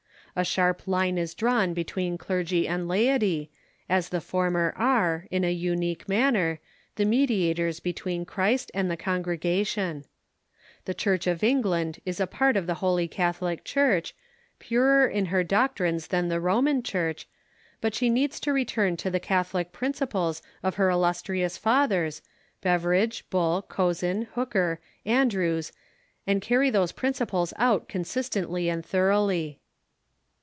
A sharp line is di awn between clergy and laity, as the former are, in a unique man ner, the mediators between Christ and the congregation. The TIIK TEACTARIAN" MOVEMENT 353 Church of England is a part of the Holy Catholic Church, purer in her doctrines than the Roman Church, but she needs to return to tlic Catholic jn inciples of her illustrious fathers, Beveridge, Bull, Cosin, Hooker, Andrewes, and carr} those principles out consistently and thorough]}'.